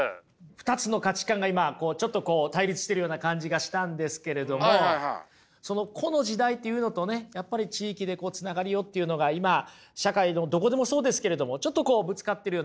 ２つの価値観が今ちょっとこう対立してるような感じがしたんですけれどもその個の時代っていうのとねやっぱり地域でつながりをっていうのが今社会のどこでもそうですけれどもちょっとこうぶつかってるような感じはしますよね。